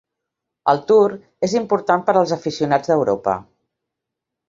El Tour és important per als aficionats d'Europa.